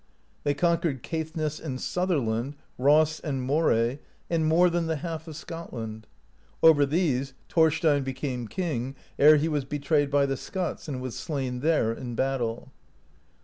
They conquered Caithness and Sutherland, Ross and Moray, and more than the half of Scotland. Over these Thorstein became king, ere he was betrayed by the Scots, and was slain there in battle.